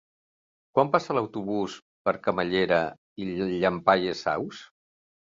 Quan passa l'autobús per Camallera i Llampaies Saus?